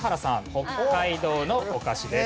北海道のお菓子です。